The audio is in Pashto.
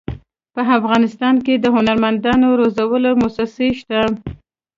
په افغانستان کې د هنرمندانو روزلو مؤسسې شته.